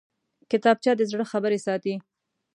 کتابچه د زړه خبرې ساتي